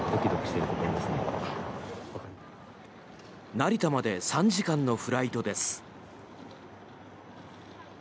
成田まで３時間のフライトです。